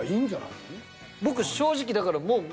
僕正直だからもう。